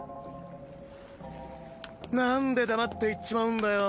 なんで黙って行っちまうんだよ。